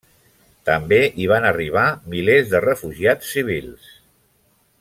També hi van arribar milers de refugiats civils.